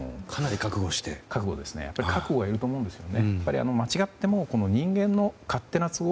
覚悟がいると思うんですね。